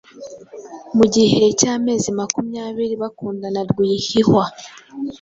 Mu gihe cy'amezi makumyabiri bakundana rwihihwa